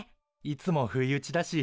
いつも不意打ちだし